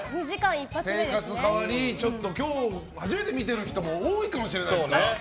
生活変わり今日初めて見てる人も多いかもしれないですからね。